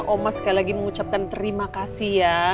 oma sekali lagi mengucapkan terima kasih ya